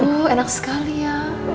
aduh enak sekali ya